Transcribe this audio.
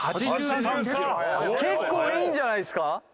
結構いいんじゃないですか？